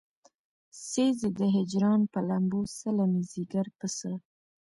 سيزې د هجران پۀ لمبو څله مې ځيګر پۀ څۀ